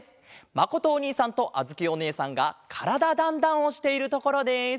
まことおにいさんとあづきおねえさんが「からだ★ダンダン」をしているところです。